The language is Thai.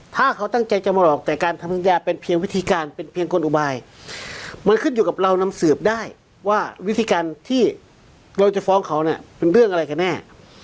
ถ้าเขาตั้งใจจะมาหลอกแต่การทำสัญญาเป็นเพียงวิธีการเป็นเพียงคนอุบายมันขึ้นอยู่กับเรานำสืบได้ว่าวิธีการที่เราจะฟ้องเขาเนี่ยเป็นเรื่องอะไรกันแน่